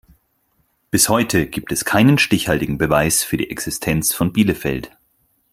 Bis heute gibt es keinen stichhaltigen Beweis für die Existenz von Bielefeld.